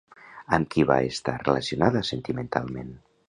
Amb qui va estar relacionada sentimentalment?